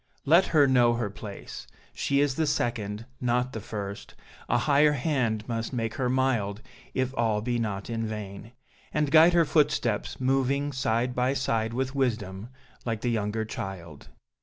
... Let her know her place; She is the second, not the first, A higher hand must make her mild, If all be not in vain; and guide Her footsteps, moving side by side With wisdom, like the younger child.